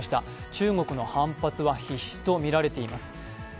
中国の反発は必至とみられています。